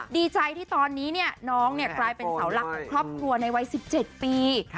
ดีใจที่ตอนนี้น้องกลายเป็นเสาหลักของครอบครัวในวัย๑๗ปี